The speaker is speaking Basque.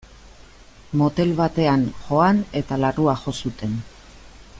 Motel batean joan eta larrua jo zuten.